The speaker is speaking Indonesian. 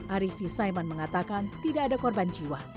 arifi saiman mengatakan tidak ada korban jiwa